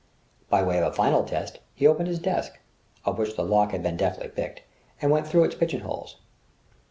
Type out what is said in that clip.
By way of a final test, he opened his desk (of which the lock had been deftly picked) and went through its pigeon holes.